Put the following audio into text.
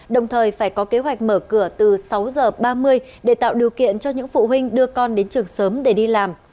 đồng thời phải có kế hoạch mở cửa từ sáu h ba mươi để tạo điều kiện cho những phụ huynh đưa con đến trường sớm để đi làm